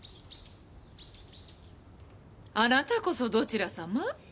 あなたこそどちら様？